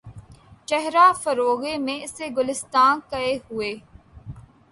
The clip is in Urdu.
چہرہ فروغِ مے سے گُلستاں کئے ہوئے